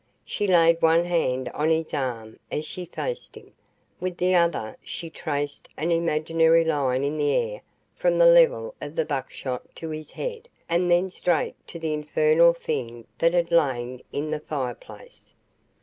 She laid one hand on his arm, as she faced him. With the other she traced an imaginary line in the air from the level of the buckshot to his head and then straight to the infernal thing that had lain in the fireplace.